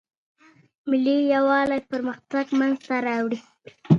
بریدمنه زما غاړه ونیسه، سخت ژوبل يې؟ مانیرا پوښتنه وکړه.